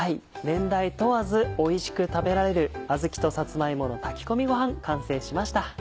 年代問わずおいしく食べられる「あずきとさつま芋の炊き込みごはん」完成しました。